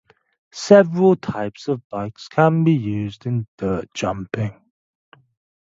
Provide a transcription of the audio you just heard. Several types of bikes can be used in dirt jumping.